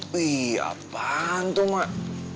wih apaan tuh mak